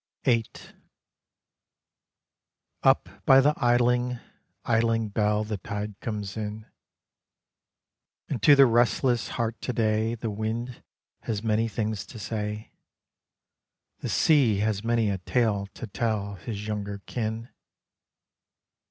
VIII Up by the idling, idling bell The tide comes in; And to the restless heart to day The wind has many things to say; The sea has many a tale to tell His younger kin.